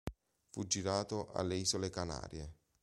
Fu girato alle Isole Canarie.